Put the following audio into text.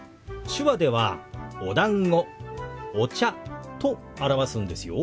手話では「おだんご」「お茶」と表すんですよ。